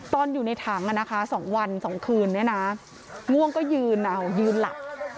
ตอนอยู่ในถัง๒วัน๒คืนเนี่ยนะง่วงก็ยืนเอายืนหลับ